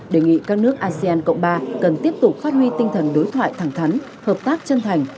đề nghị các nước asean cộng ba cần tiếp tục phát huy tinh thần đối thoại thẳng thắn hợp tác chân thành